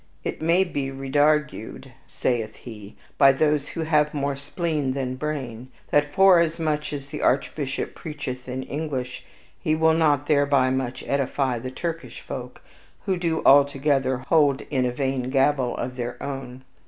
"It may be redargued," saith he, "by those who have more spleen than brain, that forasmuch as the Archbishop preacheth in English, he will not thereby much edify the Turkish folk, who do altogether hold in a vain gabble of their own."